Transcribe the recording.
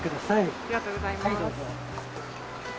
ありがとうございます。